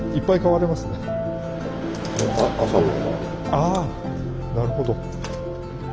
あなるほど。